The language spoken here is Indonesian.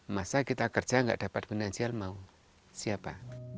masa kita kerja nggak dapat finansial mau siapa